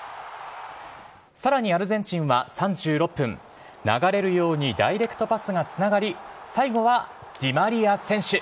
さらにアルゼンチンは３６分、流れるようにダイレクトパスがつながり、最後はディマリア選手。